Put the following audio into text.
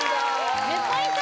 １０ポイント